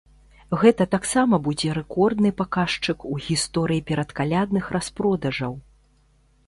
Гэта таксама будзе рэкордны паказчык у гісторыі перадкалядных распродажаў.